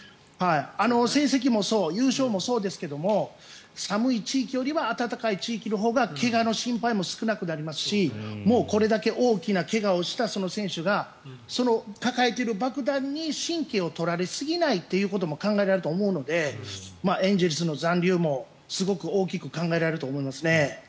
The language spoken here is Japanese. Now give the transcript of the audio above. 成績もそう、優勝もそうですが寒い地域よりは暖かい地域のほうが怪我の心配も少なくなりますしもうこれだけ大きな怪我をしたその選手がその抱えている爆弾に神経を取られすぎないというのも考えられると思うのでエンゼルスの残留もすごく大きく考えられると思います。